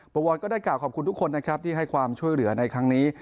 วรวรก็ได้กล่าวขอบคุณทุกคนนะครับที่ให้ความช่วยเหลือในครั้งนี้